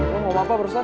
lo mau apa barusan